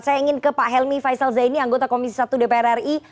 saya ingin ke pak helmi faisal zaini anggota komisi satu dpr ri